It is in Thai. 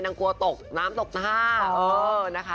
นังกลัวตกน้ำตกนะฮะ